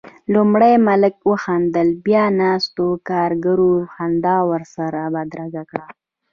لومړی ملک وخندل، بيا ناستو کاريګرو خندا ورسره بدرګه کړه.